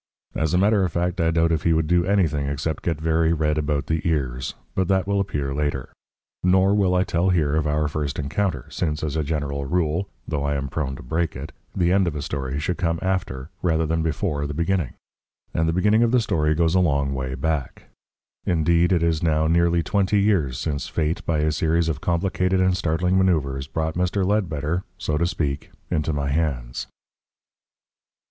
As a matter of fact, I doubt if he would do anything except get very red about the ears. But that will appear later; nor will I tell here of our first encounter, since, as a general rule though I am prone to break it the end of a story should come after, rather than before, the beginning. And the beginning of the story goes a long way back; indeed, it is now nearly twenty years since Fate, by a series of complicated and startling manoeuvres, brought Mr. Ledbetter, so to speak, into my hands.